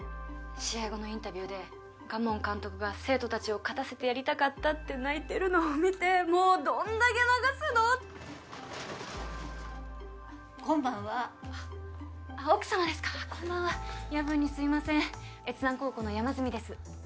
試合後のインタビューで賀門監督が生徒達を勝たせてやりたかったって泣いてるのを見てもうどんだけ泣かすのこんばんはあっあっ奥様ですかこんばんは夜分にすいません越山高校の山住です